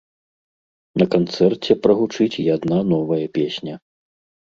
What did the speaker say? На канцэрце прагучыць і адна новая песня.